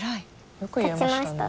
よく言えましたね。